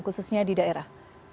khususnya di daerah